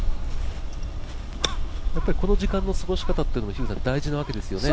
やっぱりこの時間の過ごし方っていうのも大事なわけですよね。